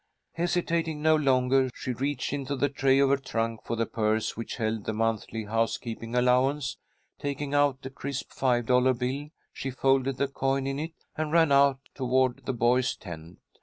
Hesitating no longer, she reached into the tray of her trunk for the purse which held the monthly housekeeping allowance. Taking out a crisp five dollar bill, she folded the coin in it, and ran out toward the boys' tent.